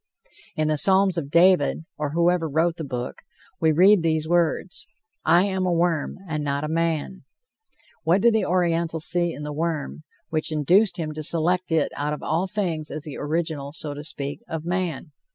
In the Psalms of David, or whoever wrote the book, we read these words: "I am a worm, and not a man." What did the Oriental see in the worm, which induced him to select it out of all things as the original, so to speak, of man?